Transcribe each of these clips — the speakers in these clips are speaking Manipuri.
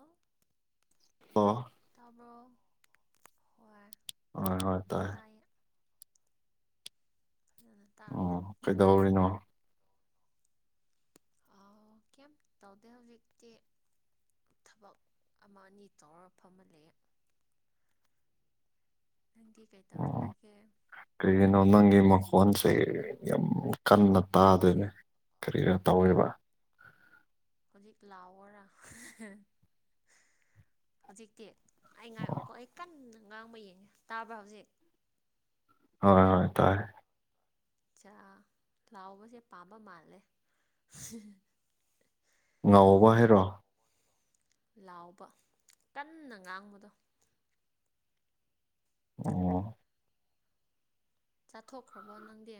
ꯑꯣ ꯑꯣ ꯇꯥꯕ꯭ꯔꯣ ꯍꯣꯏ ꯍꯣꯏ ꯍꯣꯏ ꯇꯥꯏ ꯇꯥꯏꯌꯦ ꯐꯖꯅ ꯇꯥꯔꯕꯣ ꯑꯣ ꯀꯩꯗꯧꯔꯤꯅꯣ ꯑꯧ ꯀꯩꯝ ꯇꯧꯗꯦ ꯍꯧꯖꯤꯛꯇꯤ ꯊꯕꯛ ꯑꯃ ꯑꯅꯤ ꯇꯧꯔꯒ ꯐꯝꯃꯥ ꯂꯩꯌꯦ ꯅꯪꯗꯤ ꯀꯩꯇꯧꯔ ꯂꯩꯒꯦ ꯀꯔꯤꯅꯣ ꯅꯪꯒꯤ ꯃꯈꯣꯟꯁꯦ ꯌꯥꯝ ꯀꯟꯅ ꯇꯥꯗꯦꯅꯦ ꯀꯔꯤꯔ ꯇꯧꯋꯦꯕ ꯍꯧꯖꯤꯛ ꯂꯥꯎꯋꯣꯔꯥ ꯍꯧꯖꯤꯛꯇꯤ ꯑꯩ ꯑꯣ ꯉꯥꯏꯌꯣꯀꯣ ꯑꯩ ꯀꯟꯅ ꯉꯥꯡꯕ ꯌꯦꯡꯉꯦ ꯇꯥꯕ꯭ꯔꯥ ꯍꯧꯖꯤꯛ ꯍꯣꯏ ꯍꯣꯏ ꯇꯥꯏ ꯑꯆꯥ ꯂꯥꯎꯕꯁꯦ ꯄꯥꯝꯕ ꯃꯥꯜꯂꯦ ꯉꯥꯎꯕ ꯍꯥꯏꯔꯣ ꯂꯥꯎꯕ ꯀꯟꯅ ꯉꯥꯡꯕꯗꯣ ꯑꯣ ꯆꯥꯊꯣꯛꯈ꯭ꯔꯕꯣ ꯅꯪꯗꯤ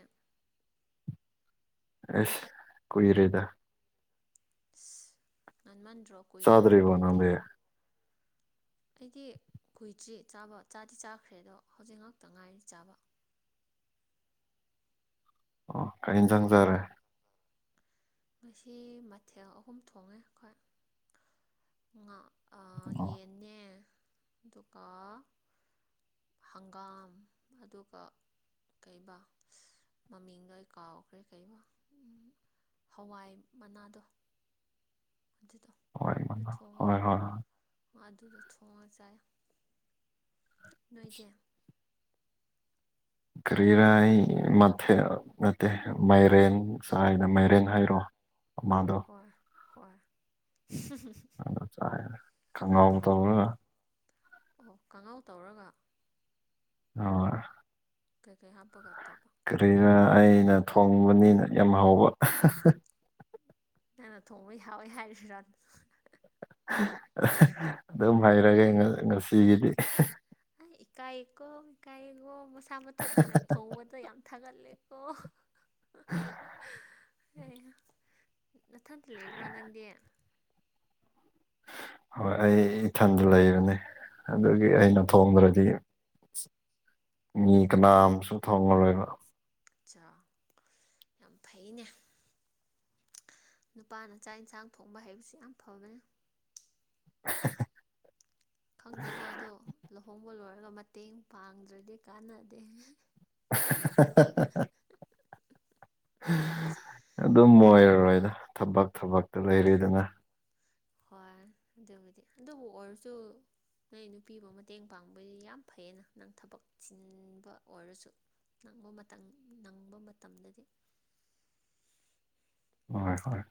ꯑꯦꯁ ꯀꯨꯏꯔꯦꯗ ꯑꯁ ꯉꯟꯃꯟꯗ꯭ꯔꯣ ꯀꯨꯏꯔꯦ ꯆꯥꯗ꯭ꯔꯤꯕꯣ ꯍꯥꯏꯅꯉꯥꯏꯗꯤ ꯅꯪꯗꯤ ꯑꯩꯗꯤ ꯀꯨꯏꯗ꯭ꯔꯤ ꯆꯥꯕ ꯆꯥꯗꯤ ꯆꯥꯈ꯭ꯔꯦ ꯑꯗꯣ ꯍꯧꯖꯤꯛ ꯉꯥꯛꯇ ꯉꯥꯏꯔꯤ ꯆꯥꯕ ꯑꯣ ꯀꯔꯤ ꯏꯟꯖꯥꯡ ꯆꯥꯔꯦ ꯉꯁꯤ ꯃꯊꯦꯜ ꯑꯍꯨꯝ ꯊꯣꯡꯉꯦ ꯑꯩꯈꯣꯏ ꯉꯥ ꯑꯥ ꯑꯣ ꯌꯦꯟꯅꯦ ꯑꯗꯨꯒ ꯍꯪꯒꯥꯝ ꯑꯗꯨꯒ ꯀꯩꯕ ꯃꯃꯤꯡꯗꯣ ꯑꯩ ꯀꯥꯎꯈ꯭ꯔꯦ ꯀꯩꯕ ꯍꯋꯥꯏ ꯃꯅꯥꯗꯣ ꯑꯗꯨꯗꯣ ꯍꯋꯥꯏ ꯑꯗꯨ ꯃꯅꯥ ꯍꯣꯏ ꯊꯣꯡꯉꯒ ꯍꯣꯏ ꯍꯣꯏ ꯑꯗꯨꯗꯣ ꯊꯣꯡꯉꯥ ꯆꯥꯏ ꯅꯣꯏꯗꯤ ꯀ꯭ꯔꯤꯔꯥ ꯑꯩ ꯃꯊꯦꯜ ꯅꯠꯇꯦ ꯃꯥꯏꯔꯦꯟ ꯆꯥꯏꯅ ꯃꯥꯏꯔꯦꯟ ꯍꯥꯏꯔꯣ ꯑꯃꯥꯥꯗꯣ ꯍꯣꯏ ꯍꯣꯏ [unintelligible] [unintelligible] ꯈꯥꯡꯉꯧ ꯇꯧꯔꯥꯒ ꯑꯣ ꯀꯥꯡꯉꯥꯎ ꯇꯧꯔꯒ [unintelligible] ꯀꯩ ꯀꯩ ꯍꯥꯞꯄꯒ ꯇꯧꯕ ꯀꯔꯤꯔꯥ ꯑꯩꯅ ꯊꯣꯡꯕꯅꯤꯅ ꯌꯥꯝ ꯍꯥꯎꯕ ꯅꯪꯅ ꯊꯣꯡꯕꯩ ꯍꯥꯎꯋꯦ ꯍꯥꯏꯔꯤꯔꯥ ꯑꯗꯨꯝ ꯍꯩꯔꯒꯦ ꯉꯁꯤꯒꯤꯗꯤ ꯏꯀꯥꯏꯀꯣ ꯏꯀꯥꯏꯀꯣ ꯃꯁꯥ ꯃꯊꯠꯇꯅ ꯊꯣꯡꯕꯗ ꯌꯥꯝ ꯊꯥꯒꯠꯂꯦꯀꯣ [unintelligible] ꯅꯊꯟꯇꯥ ꯂꯩꯕ꯭ꯔꯥ ꯅꯪꯗꯤ ꯍꯣꯏ ꯑꯩ ꯏꯊꯟꯗ ꯂꯩꯕꯅꯤ ꯑꯗꯨꯒꯤ ꯑꯩꯅ ꯊꯣꯡꯗ꯭ꯔꯗꯤ ꯃꯤ ꯀꯅꯥꯝꯁꯨ ꯊꯣꯡꯉꯔꯣꯏꯕ ꯑꯠꯆꯥ ꯌꯥꯝ ꯐꯩꯅꯦ ꯅꯨꯄꯥꯅ ꯆꯥꯛ ꯏꯟꯁꯥꯡ ꯊꯣꯡꯕ ꯍꯥꯏꯕꯁꯤ ꯌꯥꯝ ꯐꯕꯅꯦ [unintelligible] ꯈꯪꯗꯦꯀꯣ ꯑꯗꯣ ꯂꯨꯍꯣꯡꯕ ꯂꯣꯏꯔꯒ ꯃꯇꯦꯡ ꯄꯥꯡꯗ꯭ꯔꯗꯤ ꯀꯥꯟꯅꯗꯦ [unintelligible] ꯑꯗꯨꯝ ꯑꯣꯏꯔꯔꯣꯏꯗ ꯊꯕꯛ ꯊꯕꯛꯇ ꯂꯩꯔꯤꯗꯅ ꯍꯣꯏ ꯑꯗꯨꯕꯨꯗꯤ ꯑꯗꯨꯕꯨ ꯑꯣꯏꯔꯁꯨ ꯅꯣꯏ ꯅꯨꯄꯤꯕꯨ ꯃꯇꯦꯡ ꯄꯥꯡꯕ ꯌꯥꯝ ꯐꯩꯌꯦꯅ ꯅꯪ ꯊꯕꯛ ꯁꯤꯟꯕ ꯑꯣꯏꯔꯁꯨ ꯅꯪꯕ ꯃꯇꯝ ꯅꯪꯕ ꯃꯇꯝꯗꯗꯤ ꯍꯣꯏ ꯍꯣꯏ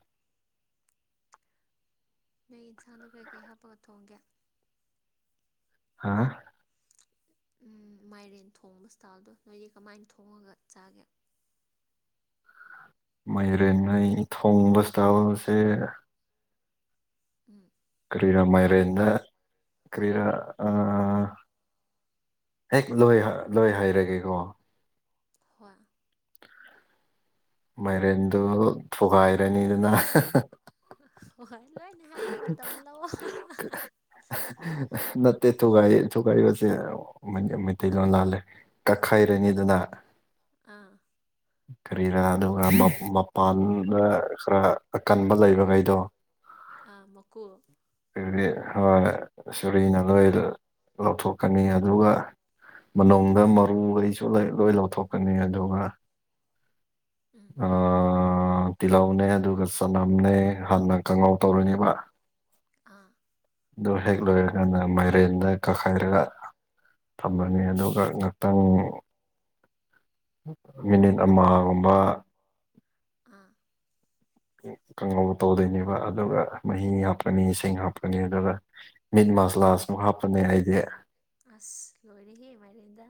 ꯅꯣꯏ ꯏꯟꯁꯥꯡꯗꯣ ꯀꯩꯀꯩ ꯍꯥꯞꯄꯒ ꯊꯣꯡꯒꯦ ꯍꯥꯥ ꯎꯝ ꯃꯥꯏꯔꯦꯟ ꯊꯣꯡꯕ ꯏꯁ꯭ꯇꯥꯜꯗꯣ ꯅꯣꯏꯗꯤ ꯀꯃꯥꯏ ꯊꯣꯡꯉꯥꯒ ꯆꯥꯒꯦ ꯃꯩꯔꯦꯟ ꯑꯩ ꯊꯣꯡꯕ ꯏꯁꯇꯥꯜꯏꯁꯦ ꯎꯝ ꯀ꯭ꯔꯤꯔꯥ ꯃꯥꯏꯔꯦꯟꯗ ꯀ꯭ꯔꯤꯔꯥ ꯑꯥ ꯍꯦꯛ ꯂꯣꯏ ꯂꯣꯏ ꯍꯥꯏꯔꯒꯦꯀꯣ ꯍꯣꯏ ꯃꯥꯏꯔꯦꯟꯗꯣ ꯊꯨꯒꯥꯏꯔꯅꯤꯗꯅ ꯍꯣꯏ ꯂꯣꯏꯅ ꯍꯥꯏꯌꯨ ꯃꯇꯝ ꯂꯧꯑꯣ ꯅꯠꯇꯦ ꯊꯨꯒꯥꯏ ꯊꯨꯒꯥꯏꯕꯁꯦ ꯃꯩꯇꯩꯂꯣꯟ ꯂꯥꯜꯂꯦ ꯀꯛꯈꯥꯏꯔꯅꯤꯗꯥꯅ ꯑꯥ ꯀꯔꯤꯔꯥ ꯑꯗꯨꯒ ꯃꯄꯥꯟꯗ ꯈꯔ ꯑꯀꯟꯕ ꯂꯩꯕꯈꯩꯗꯣ ꯑꯥ ꯃꯀꯨ ꯍꯥꯏꯗꯤ ꯍꫭꯏ ꯁꯨꯔꯤꯅ ꯂꯣꯏ ꯂꯧꯊꯣꯛꯀꯅꯤ ꯑꯗꯨꯒ꯫ ꯃꯅꯨꯡꯗ ꯎꯝ ꯃꯔꯨꯈꯩꯁꯨ ꯂꯣꯏ ꯂꯧꯊꯣꯛꯀꯅꯤ ꯑꯗꯨꯒ ꯎꯝ꯫ ꯇꯤꯜꯍꯧꯅꯦ ꯑꯗꯨꯒ ꯆꯅꯝꯅꯦ ꯍꯥꯟꯅ ꯀꯪꯉꯧ ꯇꯧꯔꯅꯤꯕ ꯑꯥ ꯑꯗꯨ ꯍꯦꯛ ꯂꯣꯏꯔꯀꯥꯟꯗ ꯃꯥꯏꯔꯦꯟꯗ ꯀꯛꯈꯥꯏꯔꯒ ꯊꯝꯃꯅꯤ ꯑꯗꯨꯒ ꯉꯥꯛꯇꯪ ꯃꯤꯅꯤꯠ ꯑꯃꯒꯨꯝꯕ ꯑꯥ ꯀꯥꯡꯉꯧ ꯇꯧꯗꯣꯏꯅꯦꯕ ꯑꯗꯨꯒ ꯃꯍꯤ ꯍꯥꯞꯀꯅꯤ ꯏꯁꯤꯡ ꯍꯥꯞꯀꯅꯤ ꯑꯗꯨꯒ ꯃꯤꯠ ꯃꯁꯂꯥ ꯁꯨ ꯍꯥꯞꯀꯅꯦ ꯑꯩꯗꯤ ꯑꯁ ꯂꯣꯏꯔꯤꯍ‌ꯦ ꯃꯥꯏꯔꯦꯟꯗ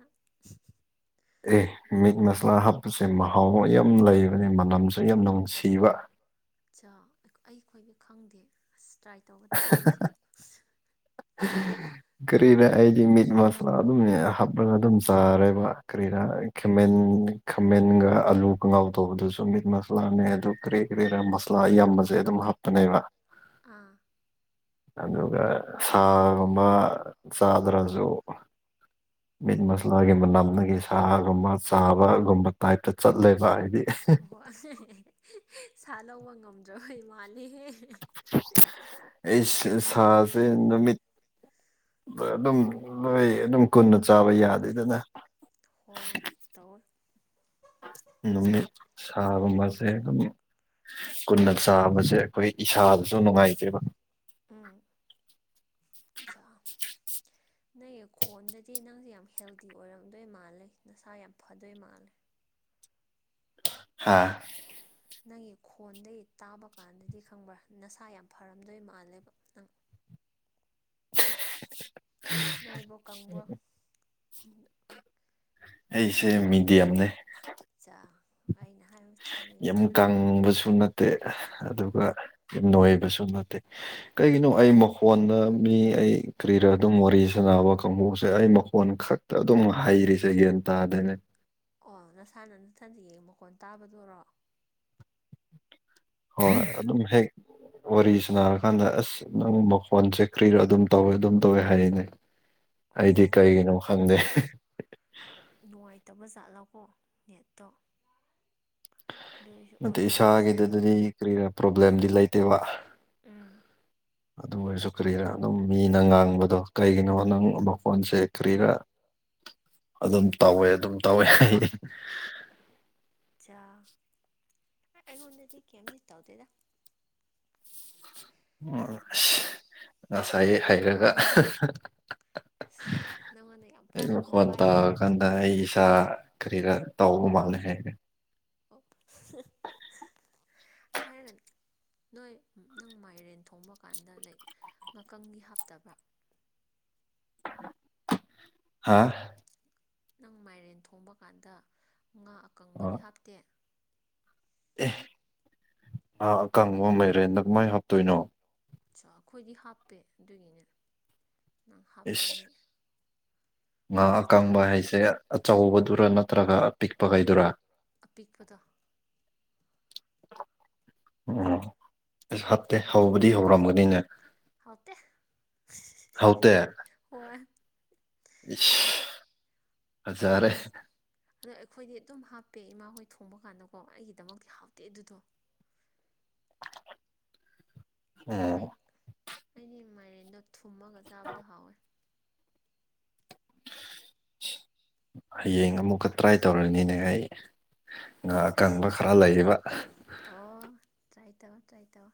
ꯑꯦ ꯃꯤꯠ ꯃꯁꯂꯥ ꯍꯥꯞꯄꯁꯦ ꯃꯍꯥꯎ ꯃꯥ ꯌꯥꯝ ꯂꯩꯕꯅꯤ ꯃꯅꯝꯁꯨ ꯌꯥꯝ ꯅꯨꯡꯁꯤꯕ ꯆꯥ ꯑꯈꯣꯏꯗꯤ ꯈꯪꯗꯦ ꯑꯁ ꯇ꯭ꯔꯥꯏ ꯇꯧꯕ ꯇꯥꯔꯦ ꯑꯩꯁꯨ [unintelligible] ꯀꯔꯤꯔ ꯑꯩꯗꯤ ꯃꯤꯠ ꯃꯁꯂꯥ ꯑꯗꯨꯝ ꯍꯥꯞꯂꯒ ꯑꯗꯨꯝ ꯆꯥꯔꯦꯕ ꯀꯔꯤꯔ ꯈꯃꯦꯟ ꯈꯥꯃꯦꯟꯒ ꯑꯥꯂꯨ ꯀꯪꯉꯧ ꯇꯧꯕꯗꯨꯁꯨ ꯃꯤꯠ ꯃꯁꯂꯥꯅꯦ ꯑꯗꯨ ꯀꯔꯤ ꯀꯔꯤꯔ ꯃꯁꯥꯂꯥ ꯑꯌꯥꯝꯕꯁꯦ ꯑꯗꯨꯝ ꯍꯥꯞ ꯄꯅ‌ꯦꯕ ꯑꯥ ꯑꯗꯨꯒ ꯁꯥꯒꯨꯝꯕ ꯆꯥꯗ꯭ꯔꯁꯨ ꯃꯤꯠ ꯃꯁꯂꯥꯒꯤ ꯃꯅꯝꯗꯒꯤ ꯁꯥꯒꯨꯝꯕ ꯆꯥꯕꯒꯨꯝꯕ ꯇꯥꯏꯞꯇ ꯆꯠꯂꯦꯕ ꯍꯥꯏꯗꯤ ꯍꫭ ꯍꯣꯏ ꯁꯥ ꯂꯧꯕ ꯉꯝꯗ꯭ꯔꯕꯩ ꯃꯥꯂꯤꯍꯦ [unintelligible] ꯑꯩ ꯁꯥꯁꯦ ꯅꯨꯃꯤꯠ ꯑꯗꯨꯝ ꯂꯣꯏ ꯑꯗꯨꯝ ꯀꯨꯟꯅ ꯆꯥꯕ ꯌꯥꯗꯦꯗꯅ ꯍꯣꯏ ꯇꯧꯋꫭ ꯅꯨꯃꯤꯠ ꯁꯥꯒꯨꯝꯕꯁꯦ ꯑꯗꯨꯝ ꯀꯨꯟꯅ ꯆꯥꯕꯁꯦ ꯑꯈꯣꯏ ꯏꯁꯥꯗꯁꯨ ꯅꯨꯡꯉꯥꯏꯇꯦꯕ ꯎꯝ ꯆꯥ [inaudible] ꯅꯪꯒꯤ ꯈꯣꯟꯗꯗꯤ ꯅꯪꯁꯤ ꯌꯥꯝ ꯍꯦꯜꯗꯤ ꯑꯣꯏꯔꯝꯗꯣꯏ ꯃꯥꯜꯂꯦ ꯅꯁꯥ ꯌꯥꯝ ꯐꯗꯣꯏ ꯃꯥꯜꯂꯦ ꯍꯥꯥ ꯅꯪꯒꯤ ꯈꯣꯟꯗꯒꯤ ꯇꯥꯕ ꯀꯥꯟꯗꯗꯤ ꯈꯪꯕ꯭ꯔꯥ ꯅꯁꯥ ꯌꯥꯝ ꯐꯔꯝꯗꯣꯏ ꯃꯥꯜꯂꯦꯕ ꯅꯪ [unintelligible] ꯅꯣꯏꯕ꯭ꯔꯣ ꯀꯪꯕ꯭ꯔꯣ ꯑꯩꯁꯦ ꯃꯤꯗꯤꯌꯝꯅꯦ ꯆꯥ ꯑꯩꯅ ꯍꯥꯏꯕ ꯆꯨꯝꯃꯤꯅꯦ ꯌꯥꯝ ꯀꯪꯕꯁꯨ ꯅꯠꯇꯦ ꯑꯗꯨꯒ ꯅꯣꯏꯕꯁꯨ ꯅꯠꯇꯦ ꯀꯩꯒꯤꯅꯣ ꯑꯩ ꯃꯈꯣꯟꯗ ꯃꯤ ꯑꯩ ꯀꯔꯤꯔ ꯑꯗꯨꯝ ꯋꯥꯔꯤ ꯁꯥꯟꯅꯕ ꯀꯥꯡꯕꯨꯁꯦ ꯑꯩ ꯃꯈꯣꯟ ꯈꯛ ꯑꯗꯨꯝ ꯍꯩꯔꯤꯁꯦ ꯒ꯭ꯌꯥꯟ ꯇꯥꯗꯦꯅꯦ ꯑꯣ ꯅꯁꯥꯅ ꯅꯊꯟꯗꯤ ꯌꯦꯡ ꯃꯈꯣꯟ ꯇꯥꯕꯗꯨꯔꯣ ꯍꯣꯏ ꯑꯗꯨꯝ ꯍꯦꯛ ꯋꯥꯔꯤ ꯁꯥꯥꯟꯅꯔꯀꯥꯟꯗ ꯑꯁ ꯅꯪ ꯃꯈꯣꯟ [unintelligible] ꯀ꯭ꯔꯤꯔꯣ ꯑꯗꯨꯝ ꯇꯧꯋꯦ ꯑꯗꯨꯝ ꯇꯧꯋꯦ ꯍꯥꯏꯌꯦꯅꯦ ꯑꯩꯗꯤ ꯑꯣ ꯀꯩꯒꯤꯅꯣ ꯈꯪꯗꯦ ꯅꯨꯡꯉꯥꯏꯇꯕ ꯖꯥꯠꯂꯀꯣ ꯅꯦꯠꯇꯣ ꯑꯗꯨꯒꯤꯁꯨ ꯑꯣꯏꯔꯝꯕꯁꯨ ꯌꯥꯏ ꯀꯔꯤꯔ ꯄ꯭ꯔꯣꯕ꯭ꯂꯦꯝꯗꯤ ꯂꯩꯇꯦꯕ ꯎꯝ ꯑꯗꯨ ꯑꯣꯏꯔꯁꯨ ꯀꯔꯤꯔꯥ ꯑꯗꯨꯝ ꯃꯤꯅ ꯉꯥꯡꯕꯗꯣ ꯀꯩꯒꯤꯅꯣ ꯅꯪ ꯃꯈꯣꯟꯁꯦ ꯀꯔꯤꯔꯥ ꯑꯗꯨꯝ ꯇꯧꯋꯦ ꯑꯗꯨꯝ ꯇꯧꯋꯦ ꯑꯩ ꯆꯥ ꯑꯩꯉꯣꯟꯗꯗꯤ ꯀ‌ꯦꯝꯗꯤ ꯇꯧꯗꯦꯗ ꯑꯁ ꯉꯁꯥꯏ ꯍꯥꯏꯔꯒ ꯅꯪꯉꯣꯟꯗ ꯌꯥꯝ [unintelligible] ꯑꯩ ꯐꯥꯎꯅꯕ ꯃꯈꯣꯟ ꯋꯥꯏꯍꯦ ꯇꯥꯔꯀꯥꯟ ꯑ ꯑꯩ ꯏꯁꯥ ꯀꯔꯤꯔ ꯇꯥꯎꯕ ꯃꯥꯜꯂꯦ ꯍꯥꯔ‌ꯦ ꯍꯥꯏꯔꯒꯅꯤ ꯅꯣꯏ ꯅꯪ ꯃꯥꯏꯔꯦꯟ ꯊꯣꯡꯕ ꯀꯥꯟꯗ ꯂꯥꯏꯛ ꯉꯥꯀꯪꯒꯤ ꯍꯥꯞꯇꯕ꯭ꯔꯥ ꯍꯥꯥ ꯅꯪ ꯃꯥꯏꯔꯦꯟ ꯊꯣꯡꯕ ꯀꯥꯟꯗ ꯉꯥ ꯑꯀꯪꯕꯗꯤ ꯍꯥꯞꯇꯦ ‌ꯑ‌ꯦ ꯑꯀꯪꯕ ꯃꯥꯏꯔꯦꯟꯗ ꯀꯃꯥꯏꯅ ꯍꯥꯞꯇꯣꯏꯅꯣ ꯑ ꯑꯩꯈꯣꯏꯗꯤ ꯍꯥꯞꯄꯦ ꯑꯗꯨꯒꯤꯅꯦ ꯅꯪ ꯏꯁ ꯍꯥꯞꯇꯕꯒꯤ ꯉꯥ ꯍꯥꯎꯗꯤ ꯑꯀꯪꯕ ꯍꯥꯎꯇꯦ ꯍꯥꯏꯁꯦ ꯑꯆꯧꯕꯗꯨꯔꯥ ꯅꯠꯇ꯭ꯔꯒ ꯑꯄꯤꯛꯄꯈꯩꯗꯨꯔꯥ ꯄꯤꯛꯄꯗ‌ꯣ ꯑꯣ ꯑꯁ ꯍꯥꯞꯇꯦ ꯍꯧꯕꯗꯤ ꯍꯧꯔꯝꯒꯅꯤꯅ‌ꯦ ꯍꯥꯎꯇꯦ ꯍꯥꯎꯇ‌ꯦ ꯍꯣꯏ ꯑꯩꯗꯣ ꯐꯖꯔꯦ ꯑꯗꯣ ꯑꯩꯈꯣꯏꯗꯤ ꯑꯗꯨꯝ ꯍꯥꯞꯄꯦ ꯏꯃꯥ ꯍꯣꯏ ꯊꯣꯡꯕ ꯀꯥꯟꯗꯀꯣ ꯑꯩꯒꯤꯗꯃꯛꯇꯤ ꯍꯥꯎꯇꯦ ꯑꯗꯨꯗꯣ ꯎꯝ ꯑꯩ ꯑꯩꯗꯤ ꯃꯥꯏꯔꯦꯟꯗꯣ ꯊꯨꯝꯃꯒ ꯆꯥꯕꯗꯣ ꯍꯥꯎꯋꯦ ꯍꯌꯦꯡ ꯑꯃꯨꯛꯀ ꯇ꯭ꯔꯥꯏ ꯇꯧꯔꯅꯤꯅꯦ ꯑꯩ ꯉꯥ ꯑꯁ ꯑꯀꯪꯕ ꯈꯔ ꯂꯩꯌꯦꯕ ꯑꯣ ꯇ꯭ꯔꯥꯏ ꯇꯧ ꯇ꯭ꯔꯥꯏ ꯇꯧ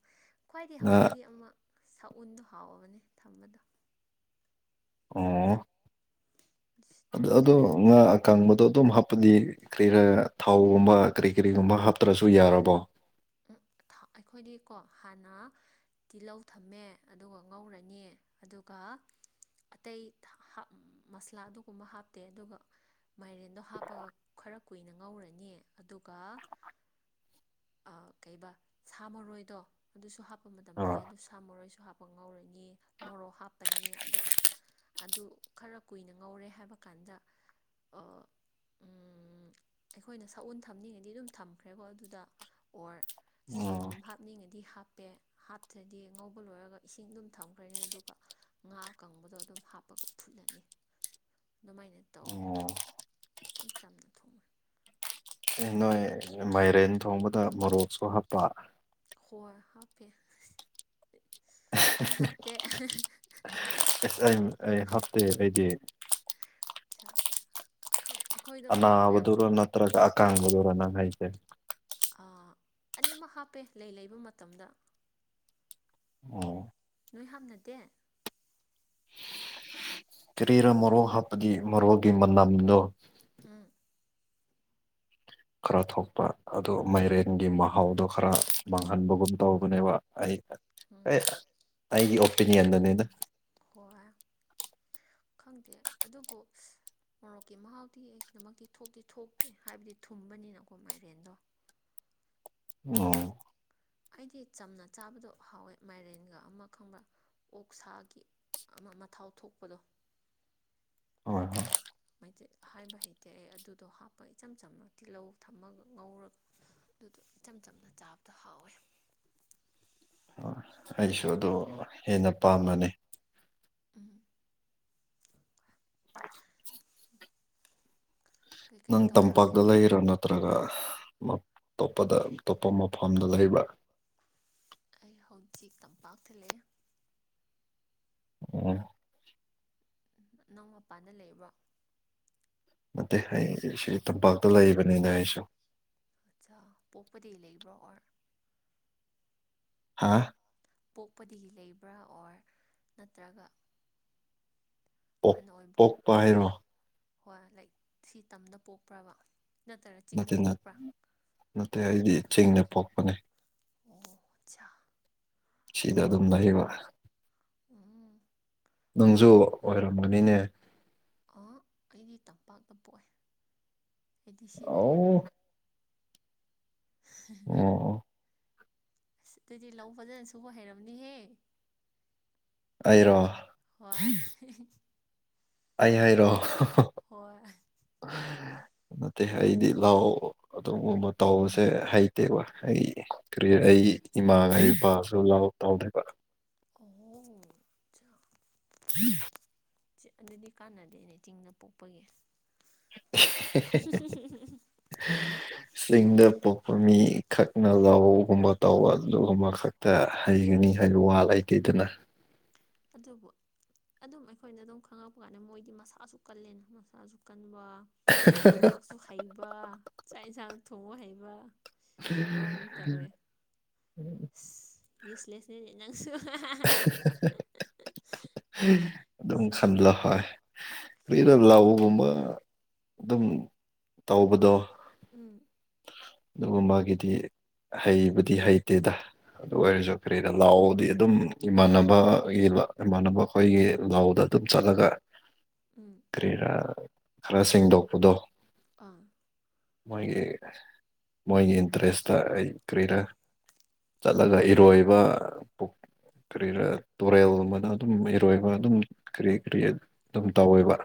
ꯈ꯭ꯋꯥꯏꯗꯒꯤ ꯉꯥ ꯍꯥꯎꯕꯗꯤ ꯑꯃ ꯁꯛꯎꯟꯗꯣ ꯍꯥꯎꯕꯅꯦ ꯊꯝꯕꯗꯣ ꯑꯣ ꯑꯗꯨꯁꯨ ꯑ ꯇ꯭ꯔꯥꯏ ꯑꯗꯣ ꯇꯧ ꯉꯥ ꯀꯪꯕꯗꯣ ꯑꯗꯨꯝ ꯍꯥꯞꯄꯗꯤ ꯀꯔꯤ ꯔꯥ ꯊꯥꯎꯒꯨꯝꯕ ꯀꯔꯤ ꯀꯔꯤꯒꯨꯝꯕ ꯍꯥꯞꯇ꯭ꯔꯁꯨ ꯌꯥꯔꯕꯣ ꯑꯩꯈꯣꯏꯗꯤꯀꯣ ꯍꯥꯟꯅ ꯇꯤꯜꯍꯧ ꯊꯝꯃꯦ ꯑꯗꯨꯒ ꯉꯧꯔꯅꯤ ꯑꯗꯨꯒ ꯑꯇꯩ ꯃꯁꯂꯥ ꯑꯗꯨꯒꯨꯝꯕ ꯍꯥꯞꯇꯦ ꯑꯗꯨꯒ ꯃꯥꯏꯔꯦꯟꯗꯣ ꯍꯥꯞꯄꯒ ꯈꯔ ꯀꯨꯏꯅ ꯉꯧꯔꯅꯤ ꯑꯗꯨꯒ ꯀꯩꯕ ꯁꯥ ꯃꯔꯣꯏꯗꯣ ꯑꯗꯨꯁꯨ ꯍꯥꯞꯄ ꯃꯇꯝ ꯂꯩ ꯑꯥ ꯑꯗꯨꯗ ꯁꯥ ꯃꯔꯣꯏꯁꯨ ꯍꯥꯞꯄ ꯄ ꯉꯧꯔꯅꯤ ꯃꯣꯔꯣꯛ ꯍꯥꯞꯄꯅꯤ ꯑꯗꯨꯒ ꯑꯗꯨ ꯈꯔ ꯀꯨꯏꯅ ꯉꯧꯔꯦ ꯍꯥꯏꯕ ꯀꯥꯟꯗ ꯎꯝ ꯑꯩꯈꯣꯏꯅ ꯁꯥꯛꯎꯟ ꯊꯝꯅꯤꯡꯉꯗꯤ ꯑꯗꯨꯝ ꯊꯝꯈ꯭ꯔꯦꯀꯣ ꯑꯗꯨꯗ ꯑꯣꯔ ꯑꯣ ꯁꯣꯏꯕꯨꯝ ꯍꯥꯞ ꯍꯥꯞꯅꯤꯡꯉꯗꯤ ꯍꯥꯞꯄꯦ ꯍꯥꯞꯇ꯭ꯔꯗꯤ ꯉꯧꯕ ꯂꯣꯏꯔꯒ ꯏꯁꯤꯡ ꯑꯗꯨꯝ ꯊꯝꯈ꯭ꯔꯅꯤ ꯑꯗꯨꯒ ꯉꯥ ꯑꯀꯪꯕꯗꯣ ꯑꯗꯨꯝ ꯍꯥꯞꯄꯒ ꯐꯨꯠꯂꯅꯤ ꯑꯗꯨꯃꯥꯏꯅ ꯇꯧꯋꯦ ꯑꯣ ꯏꯆꯝ ꯆꯝꯅ ꯊꯣꯡꯉꯦ ꯅꯣꯏ ꯃꯥꯏꯔꯦꯟ ꯊꯣꯡꯕꯗ ꯃꯣꯔꯣꯛꯁꯨ ꯍꯥꯞꯄ ꯍ‌ꯣꯏ ꯍꯥꯞꯄꯦ ꯅꯣꯏ ꯍꯥꯥꯞꯇ‌ꯦ ꯑꯁ ꯑꯩ ꯑꯩ ꯍꯥꯞꯇꯦ ꯑꯩꯗꯤ ꯑꯩꯈꯣꯏꯗ‌ꯣ ꯃꯔꯣꯛ ꯌꯥꯝ ꯑꯅꯥꯕꯗꯨꯔ ꯅꯠꯇ꯭ꯔꯒ ꯑꯀꯥꯡꯕꯗꯨꯔꯥ ꯅꯪ ꯍꯥꯏꯁꯦ ꯑꯅꯤꯃꯛ ꯍꯥꯞꯄꯦ ꯂꯩ ꯂꯩꯕ ꯃꯇꯝꯗ ꯑꯣ ꯅꯣꯏ ꯍꯥꯞꯅꯗꯦ ꯀꯦꯔꯤꯔ ꯃꯔꯣ ꯍꯥꯞꯄꯗꯤ ꯃꯔꯋꯥꯒꯤ ꯃꯅꯅ ꯎ ꯈꯔ ꯊꯣꯛꯄ ꯑꯗꯨ ꯃꯥꯏꯔꯦꯟꯒꯤ ꯃꯍꯥꯎꯗꯣ ꯈꯔ ꯃꯥꯡꯍꯟꯕꯒꯨꯝ ꯇꯧꯕꯅꯦꯕ ꯑꯩ ꯎꯝ ꯑꯩꯒꯤ ꯑꯣꯄꯤꯅꯤꯌꯟꯗꯅꯤꯅ ꯍꯣꯏ ꯈꯪꯗꯦ ꯑꯗꯨꯕꯨ ꯃꯣꯔꯣꯛꯀꯤ ꯃꯍꯥꯎꯗꯤ ꯑꯩꯒꯤꯗꯃꯛꯇꯤ ꯊꯣꯛꯇꯤ ꯊꯣꯛꯇꯦ ꯍꯥꯏꯕꯗꯤ ꯊꯨꯝꯕꯅꯤꯅꯀꯣ ꯃꯥꯏꯔꯦꯟꯗꯣ ꯑꯣ ꯑꯩꯗꯤ ꯆꯝꯅ ꯆꯥꯕꯗꯣ ꯍꯥꯎꯋꯦ ꯃꯥꯏꯔꯦꯟꯒ ꯑꯃ ꯈꯪꯕ꯭ꯔꯥ ꯑꯣꯛꯁꯥꯒꯤ ꯑꯃ ꯃꯊꯥꯎ ꯊꯣꯛꯄꯗꯣ ꯍꯣꯏ ꯍꯣꯏ ꯃꯩꯗꯤꯦ ꯍꯥꯏꯕ ꯍꯩꯇꯦ ꯑꯩ ꯑꯗꯨꯗꯣ ꯍꯥꯞꯄ ꯏꯆꯝ ꯆꯝꯅ ꯇꯤꯜꯍꯧ ꯊꯝꯃꯒ ꯉꯧꯔꯒ ꯑꯗꯨꯗꯣ ꯏꯆꯝ ꯆꯝꯅ ꯆꯥꯕꯗ ꯍꯥꯎꯋꯦ ꯍꯣꯏ ꯑꯩꯁꯨ ꯑꯗꯨꯣ ꯍꯦꯟꯅ ꯄꯥꯝꯕꯅꯤ ꯎꯝ ꯑ ꯎ ꯅꯪ ꯇꯝꯄꯒꯤꯂ ꯏꯔꯣ ꯅ ꯅꯠꯇ꯭ꯔꯒꯇꯣꯞꯄꯗ ꯑꯇꯣꯞꯄ ꯃꯐꯝꯗ ꯂꯩꯕ ꯑꯩ ꯍꯧꯖꯤꯛ ꯇꯝꯄꯥꯛꯇ ꯂꯩꯦ ꯑꯣ ꯅꯧꯎ ꯃꯄꯥꯟꯗ ꯂꯩꯕ꯭ꯔꯣ ꯅꯠꯇꯦ ꯑꯩ ꯁꯤ ꯇꯝꯄꯥꯛꯇ ꯂꯩꯕꯅꯤꯅ ꯑꯩꯁꯨ ꯑꯠꯆꯥ ꯄꯣꯛꯄꯗꯤ ꯂꯩꯕ꯭ꯔꯣ ꯑꯣꯔ ꯍꯥꯥ ꯄꯣꯛꯄꯗꯒꯤ ꯂꯩꯕ꯭ꯔꯥ ꯑꯣꯔ ꯅꯠꯇ꯭ꯔꯒ ꯑꯣ ꯍꯅ ꯑꯣꯏꯕ ꯄꯣꯛꯄ ꯍꯥꯏꯔꯣ ꯍꯣꯏ ꯂꯥꯏꯛ ꯁꯤ ꯇꯝꯗ ꯄꯣꯛꯄ꯭ꯔꯕ ꯅꯠꯇꯔ ꯆꯤꯡꯗ ꯅꯠꯇꯦ ꯄꯣꯛꯄ꯭ꯔꯥ ꯅꯠꯇꯦ ꯍꯥꯏꯗꯤ ꯆꯤꯡꯗ ꯄꯣꯛꯄꯅꯦ ꯑꯣ ꯑꯆꯥ ꯁꯤꯗ ꯑꯗꯨꯝ ꯂꯩꯌꯦꯕ ꯎꯝ ꯅꯪꯁꯨ ꯑꯣꯏꯔꯝꯕꯅꯤꯅꯦ ꯑ ꯑꯩꯗꯤ ꯇꯝꯄꯥꯛꯇ ꯄꯣꯛꯑꯦ ꯑꯦꯗꯤ ꯁꯤꯗꯂꯦ ꯑꯧ ꯑꯣ ꯑꯣ ꯑꯁ ꯑꯗꯨꯗꯤ ꯂꯧ ꯐꯖꯅ ꯁꯨ ꯍꯩꯔꯕꯝꯅꯤꯍꯦ ꯑꯩꯔꯣ ꯍ ꯑꯩ ꯍꯥꯏꯔꯛꯣ ꯍꯣꯏ ꯃꯦ ꯍꯥꯏꯗꯤ ꯂꯑꯣ ꯑꯗꯨꯒꯨꯝꯕ ꯇꯧꯕꯁꯦ ꯍꯩꯇꯦꯕ ꯑꯩ ꯀꯔꯤ ꯑꯩ ꯏꯃꯥ ꯑꯩ ꯏꯄꯥꯁꯨ ꯂꯥꯎ ꯇꯧꯗ ꯑꯣ ꯑꯗꯨꯗꯤ ꯀꯥꯟꯅꯗꯦꯅꯦ ꯆꯤꯡꯗ ꯄꯣꯛꯄꯒꯤ [inaudible] ꯆꯤꯡꯗ ꯄꯣꯛꯄ ꯃꯤ ꯈꯛꯅ ꯂꯍꯒꯨꯝꯕ ꯇꯧꯕ ꯑꯗꯨꯒꯨꯝꯕ ꯈꯛ ꯇ ꯍꯩꯒꯅꯤ ꯍꯥꯏ ꯋꯥ ꯂꯩꯇꯗꯅ ꯑꯗꯨꯕꯨ ꯑꯗꯨꯝ ꯑꯩꯈꯣꯏꯅ ꯑꯗꯨꯝ ꯈꯪꯉꯛꯄ ꯀꯥꯟꯗ ꯃꯣꯏꯗꯤ ꯃꯁꯥꯁꯨ ꯀꯜꯂꯦꯅ ꯃꯁꯥꯁꯨ ꯀꯟꯕ ꯊꯕꯛꯁꯨ ꯍꯩꯕ ꯆꯥꯛ ꯌꯦꯟꯁꯥꯡ ꯊꯣꯡꯕ ꯍꯩꯕ ꯝ ꯌꯨꯁꯂꯦꯁꯅꯦ ꯅ ꯅꯪꯁꯨ ꯝ ꯈꯝꯂꯣ ꯍ ꯀꯔ ꯂꯥꯎꯕꯒꯨꯝꯕ ꯑꯗꯨꯝ ꯇꯧꯕꯗꯣ ꯎꯝ ꯑꯗꯨꯒ ꯃꯥꯒꯤꯗꯤ ꯍꯩꯕꯗꯤ ꯍꯩꯇꯦꯗ ꯑꯗꯨ ꯑꯣꯏꯔꯁꯨ ꯀꯔꯤꯗ ꯂꯥꯛꯑꯣꯗꯤ ꯑꯗꯨꯝ ꯏꯃꯥꯟꯅꯕꯒꯤ ꯏꯃꯥꯟꯅꯕ ꯑꯩꯈꯣꯏꯒꯤ ꯂꯥꯎꯗ ꯑꯗꯨꯝ ꯆꯠꯂꯒ ꯎꯝ ꯀꯔꯤꯔꯥ ꯈꯔ ꯁꯦꯡꯗꯣꯛꯄꯗꯣ ꯑꯥ ꯃꯣꯏꯒꯤ ꯃꯣꯏꯒꯤ ꯏꯟꯇꯔꯦꯁꯇ ꯑꯩ ꯀꯔꯤꯔ ꯆꯠꯂꯒ ꯏꯔꯣꯏꯕ ꯀꯔꯤꯥ ꯇꯨꯔꯦꯜꯒꯨꯝꯕꯗ ꯑꯗꯨꯝ ꯏꯔꯣꯏꯕ ꯑꯗꯨꯝ ꯀꯔꯤ ꯀꯔꯤ ꯑꯗꯨꯝ ꯇꯧꯋꯦꯕ